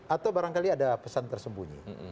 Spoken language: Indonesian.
atau barangkali ada pesan tersembunyi